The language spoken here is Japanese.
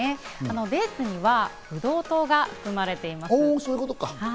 デーツにはブドウ糖が含まれています。